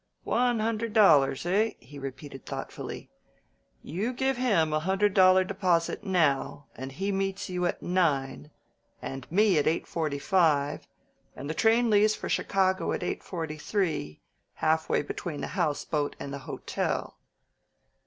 "One hundred dollars, eh?" he repeated thoughtfully. "You give him a hundred dollar deposit now and he meets you at nine, and me at eight forty five, and the train leaves for Chicago at eight forty three, halfway between the house boat and the hotel!